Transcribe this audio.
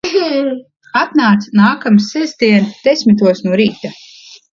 Atnāc nākamsestdien desmitos no rīta.